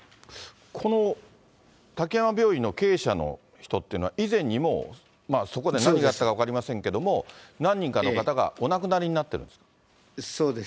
この滝山病院の経営者の人っていうのは、以前にも、そこで何をやったか分かりませんけれども、何人かの方がお亡くなそうです。